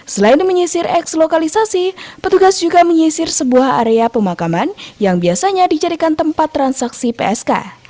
selain menyisir eks lokalisasi petugas juga menyisir sebuah area pemakaman yang biasanya dijadikan tempat transaksi psk